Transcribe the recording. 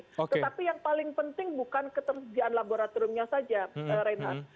tetapi yang paling penting bukan ketergian laboratoriumnya saja reynard